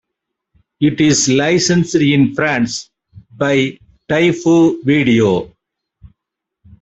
It is licensed in France by Taifu Video.